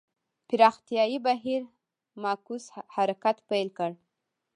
پراختیايي بهیر معکوس حرکت پیل کړ.